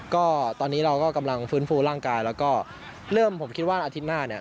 ก็ตอนนี้เราก็กำลังฟื้นฟูร่างกายแล้วก็เริ่มผมคิดว่าอาทิตย์หน้าเนี่ย